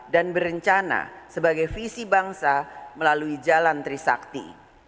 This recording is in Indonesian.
dan berencana sebagai visi bangsa melalui jalan trisakti